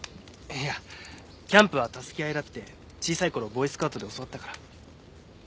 いやキャンプは助け合いだって小さい頃ボーイスカウトで教わったから。